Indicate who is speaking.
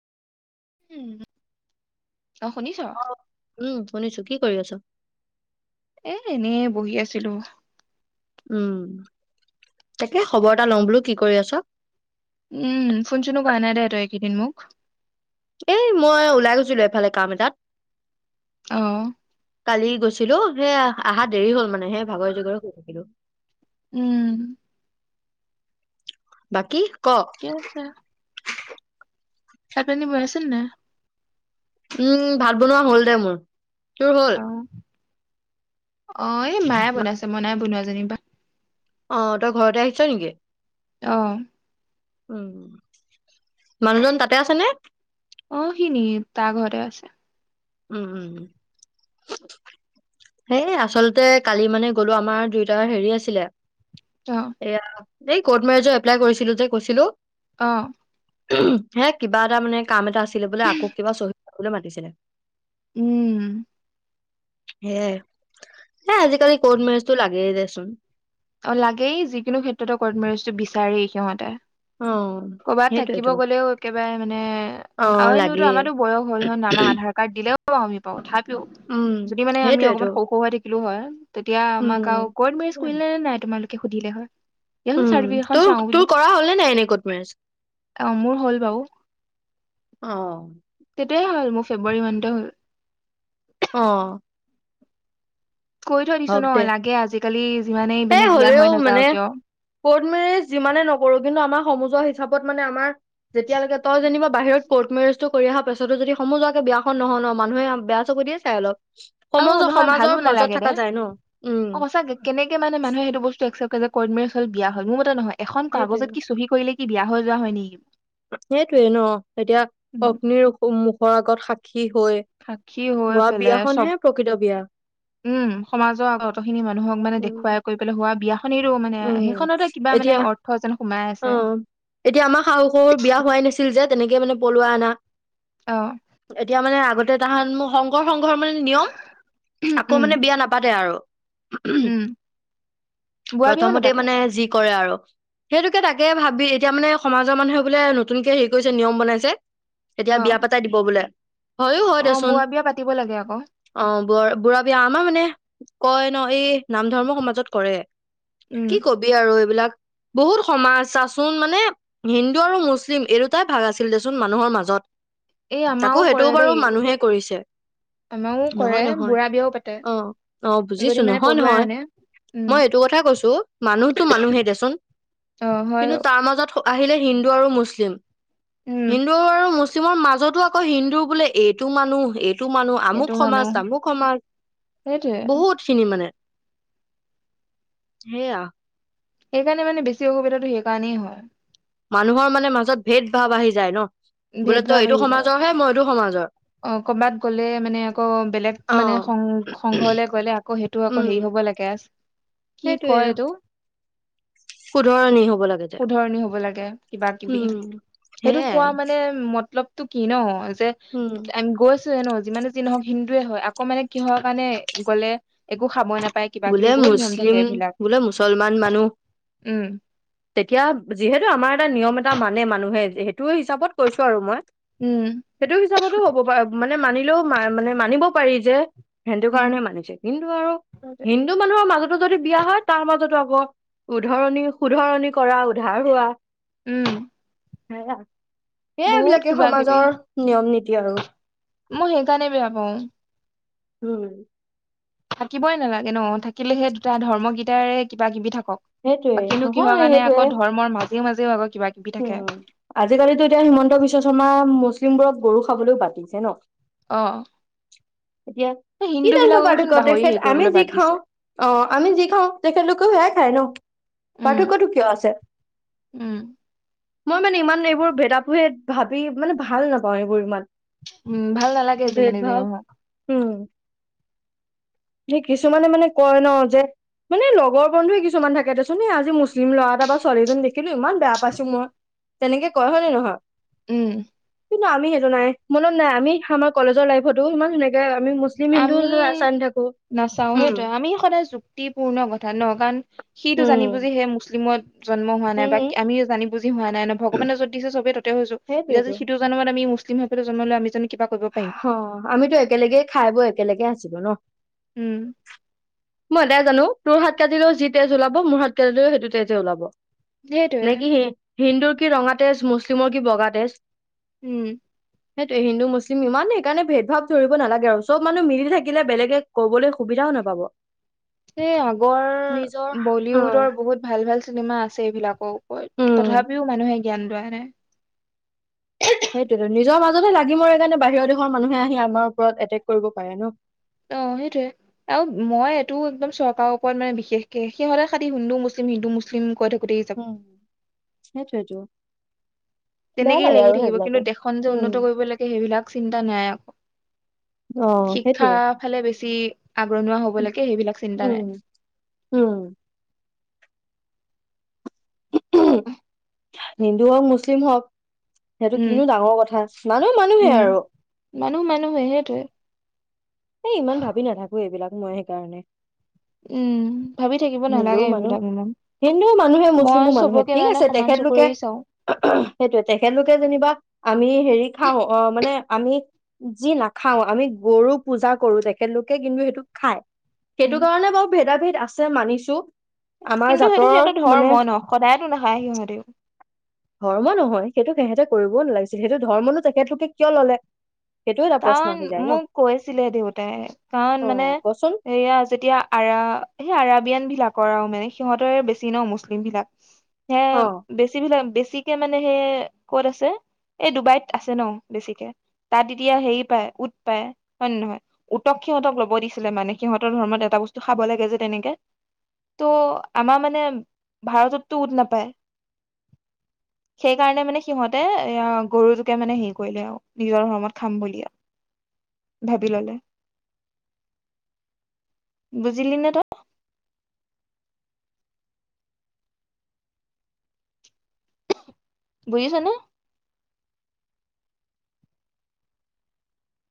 Speaker 1: উম অ', শুনিছ?
Speaker 2: অ উম শুনিছো কি? কৰি আছ
Speaker 1: এ এনেই বহি আছিলো।
Speaker 2: উম তাকে খবৰ এটা লম বোলো কি কৰি আছ
Speaker 1: উম ফোন চুনো কৰা নাই দে একেইদিন মোক।
Speaker 2: এই মই ওলাই গৈছিলো এফালে কাম এটাত
Speaker 1: অহ
Speaker 2: কালি গৈছিলো সেয়া অহা দেৰি হ'ল মানে আহিয়েই ভাগৰে জুগৰে শুই থাকিলো।
Speaker 1: উম,
Speaker 2: বাকী- ক
Speaker 1: ঠিকে আছে। ভাত পানী বনাইছে নাই?
Speaker 2: উম ভাত বনোৱা হ'ল দে মোৰ। তোৰ হল?
Speaker 1: অ', অ এই মায়ে বনাইছে মই নাই বনোৱা যেনী বা।
Speaker 2: অ তই ঘৰতে আহিছ নেকি?
Speaker 1: অহঁ।
Speaker 2: উম মানুহজন তাতে আছে নে?
Speaker 1: অ সি তাৰ ঘৰতে আছে।
Speaker 2: উম উম সেই আচলতে কালি মানে গলো আমাৰ দুইটাৰ হেৰি আছিলে।
Speaker 1: অ',
Speaker 2: সেইয়া-। এই কৰ্ট মেৰেইজৰ এপ্লাই কৰিছিলো যে কৈছিলো।
Speaker 1: অঁ।
Speaker 2: হে কিবা এটা মানে কাম এটা আছি-। আছিলে বোলে আকৌ কিবা চ-। মাতিছিলে।
Speaker 1: উম।
Speaker 2: সেইয়ে আজিকালি কৰ্ট মেৰেজটো লাগেই দেচোন।
Speaker 1: অ লাগেই যিকোনো ক্ষেত্ৰতে কৰ্ট মেৰেজটো বিচাৰেই সিহঁতে।
Speaker 2: অ
Speaker 1: কৰ'বাত থাকিব
Speaker 2: সেইটোয়েতো
Speaker 1: গ'লেও একেবাৰে মানে
Speaker 2: অ
Speaker 1: আৰু এনোতো
Speaker 2: লাগেই
Speaker 1: আমাৰো বয়স হল ন আমাৰ আধাৰ কাৰ্ড দিলেও-। আমি পাওঁ।
Speaker 2: উম
Speaker 1: যদি মানে আমি
Speaker 2: সেইটোয়েতো
Speaker 1: অকনমান সৰু সৰু থ- কিলো হয়। তেতিয়া আমাক আঁ
Speaker 2: উম
Speaker 1: কৰ্ট মেৰেজ কৰিলা নাই তোমালোক? সুধিলে হয়। দিয়াচোন
Speaker 2: উম
Speaker 1: চাৰ্টিফিকেটখন
Speaker 2: তোৰ
Speaker 1: চাওঁ বুলি
Speaker 2: তোৰ কৰা হ'লনে নাই এনে কৰ্ট মেৰেজ?
Speaker 1: অ মোৰ হ'ল বাৰু।
Speaker 2: অ [unintelligible]
Speaker 1: তেতিয়াই হল মোৰ ফেব্ৰুৱাৰী মানতে হ'ল।
Speaker 2: অঁ।
Speaker 1: কৈ থৈ দিছো
Speaker 2: হওঁক
Speaker 1: ন
Speaker 2: দে।
Speaker 1: লাগে আজিকালি যিমানেই
Speaker 2: সে
Speaker 1: মানে বিয়া
Speaker 2: হ'লেও
Speaker 1: হৈ
Speaker 2: মানে
Speaker 1: নাযাও কিয়
Speaker 2: কৰ্ট মেৰেজ যিমানে নকৰো কিন্তু আমাৰ সম-। ৱা হিচাপত মানে আমাৰ-। তেতিয়ালৈকে তই যেনিবা-। বাহিৰত কৰ্ট মেৰেজটো কৰি অহা পাছতো যদি সমযোৱাকে বিয়াখন নহয় ন মানুহে বেয়া চকুয়েদি চাই অলপ।
Speaker 1: আৰু
Speaker 2: সমাযোৱা
Speaker 1: নহয় ভালো
Speaker 2: সমাজৰ মাজত
Speaker 1: নালাগে
Speaker 2: থাকে-।
Speaker 1: অ সচাকে কেনেকে মানে মানুহে সেইটো বস্তু একচেপ-। কৰ্ট মেৰেজত বিয়া হল মোৰ মতে নহয়। এখন
Speaker 2: সেইটোয়ে
Speaker 1: কাগজত কি চহী কৰিলে-। ই বিয়া হৈ যোৱা হয় নি?
Speaker 2: সেইটোয়ে ন'এতিয়া
Speaker 1: উম
Speaker 2: অগ্নিৰ মুখৰ আগত সা
Speaker 1: সাক্ষী হৈ পেলায় চব
Speaker 2: বিয়াখনহে প্ৰকৃত বিয়া
Speaker 1: [inaudible] উম সমাজৰ আগত অতখিনি মানুহক মানে দেখুৱাই
Speaker 2: উম
Speaker 1: কৰি পেলাই হোৱা বিয়া। খনিৰো মানে সেইখনতে কিবা মানে অৰ্থ যেন সোমাই আছে
Speaker 2: অহ, এতিয়া আমাৰ শাহু- শহুৰ বিয়া হোৱাই নাছিল যে তেনেকে মানে পলোৱাই আনা।
Speaker 1: অ
Speaker 2: এতিয়া মানে আগত [unintelligible] সংঘৰ মানে নিয়ম আকৌ
Speaker 1: উম
Speaker 2: মানে বিয়া নাপাতে আৰু।
Speaker 1: উম
Speaker 2: [unintelligible]
Speaker 1: বোৱা বিয়াও
Speaker 2: প্ৰথমতে
Speaker 1: নাপাতে
Speaker 2: মানে যি কৰে আৰু। [inaudible] সেইটোকে তাকে ভাবি এতিয়া মানে সমাজৰ মানুহে বোলে নতুনকে হেৰি কৰিছে, নিয়ম বনাইছে। এতিয়া
Speaker 1: অ
Speaker 2: বিয়া পাতাই দিব বোলে। হয়ো হয়
Speaker 1: অ', বুৱা বিয়া পাতিবই লাগে আকৌ।
Speaker 2: বৰ বুঢ়া বিয়া আমাৰ মানে কয় ন'এই নাম ধৰ্ম সমাজত কৰে।
Speaker 1: উম
Speaker 2: কি -কবি আৰু এইবিলাক বহুত সমাজ চাচোন মানে হিন্দু আৰু মুছলিম এই দুটাই ভাগ আছিল দেচোন মানুহৰ মাজত
Speaker 1: এই
Speaker 2: তাকো
Speaker 1: আমাৰও
Speaker 2: সেইটোও
Speaker 1: কৰে
Speaker 2: বাৰু
Speaker 1: দেই
Speaker 2: মানুহে কৰিছে
Speaker 1: আমাৰও কৰে
Speaker 2: নহয়- নহয়,
Speaker 1: বুঢ়া বিয়াও পাতে
Speaker 2: অহ -অহ
Speaker 1: যদি
Speaker 2: বুজিছো
Speaker 1: মানে
Speaker 2: নহয়
Speaker 1: পলুৱাই
Speaker 2: -নহয়
Speaker 1: আনে উম
Speaker 2: মই এইটো কথাই কৈছো মানুহটো মানুহে দেচোন।
Speaker 1: অহ,
Speaker 2: কিন্তু
Speaker 1: হয়ৰো।
Speaker 2: তাৰ মাজত আহিলে হিন্দু আৰু মুছলিম।
Speaker 1: উম
Speaker 2: হিন্দু আৰু মুছ মৰ মাজতো আকৌ হিন্দু বোলে এইটো মানুহ এই টো মানুহ
Speaker 1: সেইটো
Speaker 2: আমুক
Speaker 1: মানুহ
Speaker 2: সমাজ- তামুক সমাজ
Speaker 1: সেইটোৱে
Speaker 2: বহুত খিনি মানে। [inaudible] সেয়া।
Speaker 1: সেইকাৰণে মানে বেছি অসুবিধাটো সেইকাৰণেই হয়।
Speaker 2: মানুহৰ মানে মাজত ভেদ- ভাব আহি যায় ন'?
Speaker 1: ভেদ
Speaker 2: বোলে
Speaker 1: ভাৱ
Speaker 2: তই
Speaker 1: আহি
Speaker 2: এইটো
Speaker 1: যায়
Speaker 2: সমাজৰহে মই এইটো সমাজৰ।
Speaker 1: অ', ক'বাত গলে মানে আকৌ বেলেগ
Speaker 2: অ
Speaker 1: মানে সং- সংঘলে আকৌ সেইটো আকৌ
Speaker 2: উম
Speaker 1: হেৰি হব লাগে কি
Speaker 2: সেইটোয়ে
Speaker 1: কয় এইটো
Speaker 2: শুধৰণি হ'ব লাগে
Speaker 1: [inaudible]
Speaker 2: যে
Speaker 1: শুধৰণি হব লাগে কিবা- কিবি
Speaker 2: উম
Speaker 1: সেইটো
Speaker 2: সেয়াই
Speaker 1: কোৱা মানে মতলব তো কি ন'
Speaker 2: উম
Speaker 1: গৈছোৱে ন যিমানে যি নহওক হিন্দুৱে হয় আকৌ মানে কিহৰ কাৰণে গ'লে একো খাবই নাপায় কিবা
Speaker 2: বোলে
Speaker 1: কিবি বহুত নিয়ম থাকে
Speaker 2: মুছলিম
Speaker 1: এইবিলাক
Speaker 2: বোলে মুছলমান মানুহ
Speaker 1: উম
Speaker 2: তেতিয়া যিহেতু আমাৰ এটা নিয়ম এটা মানে মানুহে সেইটো হিচাপত কৈছো আৰু মই
Speaker 1: উম
Speaker 2: সেইটো হিচাপতো হ'ব পাৰে মানে মানে মানিলেও ম মানে মানিব পাৰি যে সেইটো
Speaker 1: উম
Speaker 2: কাৰণে মানিছে কিন্তু আৰু হিন্দু মানুহৰ মাজতো যদি বিয়া হয় তাৰ মাজত আ উধৰণি শুধৰণি কৰা উধাৰ হোৱা
Speaker 1: উম
Speaker 2: হয় সেই
Speaker 1: বহুত
Speaker 2: এইবিলাকে
Speaker 1: কিবা কিবি
Speaker 2: সমাজৰ নিয়ম নীতি কি আৰু
Speaker 1: মই সেইকাৰণে বেয়া পাওঁ
Speaker 2: উম
Speaker 1: থাকিবই নালাগে ন থাকিলেহে দুটা ধৰ্ম কিটাৰে কিবা কিবি থাকি
Speaker 2: সেইটোৱে
Speaker 1: ব বাকীনো কিহৰ
Speaker 2: নহয়
Speaker 1: কাৰণে
Speaker 2: সেইটোৱে
Speaker 1: আকৌ ধৰ্মৰ মাজত মাজে মাজে অলপ
Speaker 2: উম আজিকালিতো এতিয়া হিমন্ত বিশ্ব শৰ্মা উম মানুহ বোৰক গৰু খাবলৈও বাধা দিছে ন
Speaker 1: অহ
Speaker 2: [unintelligible] এতিয়া কি জানো পাৰ্থক্য
Speaker 1: গাহৰি
Speaker 2: আছে
Speaker 1: হেৰি
Speaker 2: আমি
Speaker 1: কৰিবলৈ
Speaker 2: যি
Speaker 1: বাদ দিছে
Speaker 2: খাওঁ অ আমি যি খাওঁ তেখেত লোকেও হে খায় ন
Speaker 1: উম
Speaker 2: পাৰ্থক্য টো কিয় আছে
Speaker 1: উম
Speaker 2: মই মানে ইমান এইবোৰ ভেদা ভেদ ভাবি মানে ভাল নাপাওঁ এইবোৰ ইমান
Speaker 1: উম ভাল নালাগে এইটো
Speaker 2: ভেদ
Speaker 1: যিমানেই যি
Speaker 2: ভাৱ
Speaker 1: নহওঁক
Speaker 2: উম সেই কিছুমানে মানে কয় ন যে মানে লগৰ বন্ধুৱে কিছুমান থাকে দেছোন আজি মুছলিম ল'ৰা এটা বা ছোৱালীজনী দেখি কিন্তু ইমান বেয়া পাইছো মই তেনেকে কয় হয় নে নহয়
Speaker 1: উম
Speaker 2: কিন্তু আমি সেইটো নাই মনত নাই আমি আমাৰ কলেজৰ লাইফতো ইমান সেনেকে আমি মুছলিম হিন্দু চাই নাথাকোঁ
Speaker 1: নাচাওঁ সেইটোে আমি সদায় যুক্তিপূৰ্ণ কথা ন কাৰণ সিটো জানি
Speaker 2: উম
Speaker 1: বুজিহে মুছলিম মত জন্ম হোৱা নাই বা আমি জানি বুজি হোৱা নাই ভগৱানে যত দিছে চবেই ততে হৈছো এতিয়া যদি
Speaker 2: সেইটোয়েতো
Speaker 1: সিটো জন্মত আমি সন্তান জন্ম দিলে আমি জানো কিবা কৰিব পাৰিম
Speaker 2: অ আমিতো একেলগে খাই বৈ একেলগে আছোঁ বাৰু ন
Speaker 1: উম
Speaker 2: মই এটাই জানো। তোৰ হাত কাটিলও যি তেজ ওলাব, মোৰ হাত কাটিলেও সেইটো তেজে ওলাব। নে
Speaker 1: সেইটোৱে।
Speaker 2: কি হি হিন্দুৰ কি' ৰঙা তেজ, মুছলিমৰ কি' বগা তেজ।
Speaker 1: উম।
Speaker 2: সেইটোৱেই। হিন্দু, মুছলিম- ইমান সেইকাৰণে ভেদ-ভাৱ ধৰিব নালাগে। আৰু চব মানুহ মিলি থাকিলে বেলেগে কবলৈ সুবিধাওঁ নাপাব।
Speaker 1: এই
Speaker 2: নিজৰ
Speaker 1: আগৰ
Speaker 2: অ
Speaker 1: বলীউডৰ বহুত ভাল, ভাল- চিনেমা আছে এইবিলাকো।
Speaker 2: উম
Speaker 1: তথাপিও মানুহে- ধ্যান দিয়া নাই।
Speaker 2: সেইটোৱেতো নিজৰ মাজতে লাগি মৰে। সেইকাৰণে বাহিৰৰ দেশৰ মানুহে আহি আমাৰ ওপৰত এক্ৰেক কৰিব পাৰে ন।
Speaker 1: অঁ সেইটোয়ে। আৰু মই এইটো একদম চৰকাৰৰ ওপৰত মানে বিশেষকে সিহঁতে খালী হিন্দু মুছলিম, হিন্দু মুছলিম কৈ থাকে।
Speaker 2: উম'সেইটোৱেই তো।
Speaker 1: তেনেকেই লাগি থাকিব। কিন্তু দেশখন যে
Speaker 2: উম
Speaker 1: উন্নত কৰিব লাগে সেইবিলাক চিন্তা নাই। আকৌ
Speaker 2: অ
Speaker 1: শিক্ষা
Speaker 2: সেইটোৱে।
Speaker 1: ফালে বেছি আগ্ৰহ হব লাগে সেইবিলাক চিন্তা নাই।
Speaker 2: উম উম
Speaker 1: [unintelligible]
Speaker 2: হিন্দু হওঁক, মুছলিম হওঁক- সেইটো নো
Speaker 1: উম
Speaker 2: কিনো ডাঙৰ কথা মানুহ, মানুহে
Speaker 1: উম
Speaker 2: আৰু।
Speaker 1: মানুহ মানুহে সেইটোৱে
Speaker 2: এই ইমান ভাবি নাথাকো এইবিলাক মই সেইকাৰণে।
Speaker 1: উম ভাবি থাকিব নালাগে
Speaker 2: হিন্দুওঁ মানুহ,
Speaker 1: এইবিলাক ইমান
Speaker 2: হিন্দুওঁ মানুহে,
Speaker 1: মই
Speaker 2: মুছলিমো মানুহে
Speaker 1: চবকে
Speaker 2: ঠিক
Speaker 1: মানে
Speaker 2: আছে।
Speaker 1: সমান
Speaker 2: তেখেত
Speaker 1: চকুৰে
Speaker 2: লোকে
Speaker 1: চাওঁ
Speaker 2: সেইটোয়েই। তেখেত লোকে যেনিবা আমি হেৰি খাওঁ। আঁহ মানে আমি- যি নাখাওঁ আমি গৰু- পূজা কৰো। তেখেতলোকে কিন্তু সেইটোক খাই।
Speaker 1: উম
Speaker 2: সেইটো কাৰণে বাৰু ভেদা-ভেদ- আছে মানিছো। আমাৰ
Speaker 1: কিন্তু সেইটো
Speaker 2: জাতৰ
Speaker 1: সিহঁতৰ
Speaker 2: মানে
Speaker 1: ধৰ্ম ন' সদায়তো নাখায় সিহঁতি।
Speaker 2: ধৰ্ম নহয় সেইটো সিহেঁতে কৰিবও নালাগিছিল। সেইটো ধৰ্মটো তেখেত লোকে কিয় ল'লে। সেইটো এটা প্ৰশ্ন আহি যায় ন
Speaker 1: [unintelligible] কৈছিলে দেউতাই। কাৰণ
Speaker 2: অ
Speaker 1: মানে
Speaker 2: কচোন
Speaker 1: সেয়া যেতিয়া আৰা বিয়া- বিলাকৰ আৰু মানে সিহঁতৰে বেছি ন' মুছলিম বিলাক। হেয়াই
Speaker 2: অ
Speaker 1: বেছি বিলাক বেছি- বেছিকে মানে সেই ক'ত আছে এই ডুবাইত আছে ন। বেছিকে তা'ত। এতিয়া হেৰি পায় উট পায় হয়ে নে নহয়। উটক সিহঁতক ল'ব দিছিলে মানে সিহঁতৰ ধৰ্মত এটা বস্তু খাব লাগে যে তেনেকে। ত' আমাৰ মানে ভাৰত তটো উট নাপায় সেইকাৰণে মানে সিহঁতে এ' গৰুটোকে মানে হেৰি কৰিলে আৰু নিজৰ ধৰ্মত। খাম বুলি আৰু ভাবি ল'লে। বুজিলি নে তই? বুজিছা নে?